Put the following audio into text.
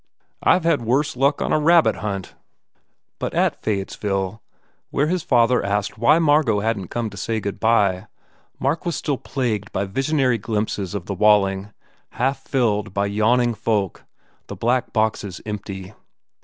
I ve had worse luck on a rabbit hunt." 287 THE FAIR REWARDS But at Fayettesville where his father asked why Margot hadn t come to say good bye, Mark was still plagued by visionary glimpses of the Walling, half filled by yawning folk, the black boxes empty.